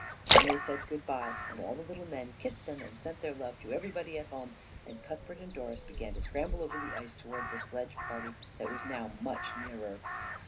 Then they said good bye, and all the little men kissed them and sent their love to everybody at home, and Cuthbert and Doris began to scramble over the ice toward the sledge party that was now much nearer.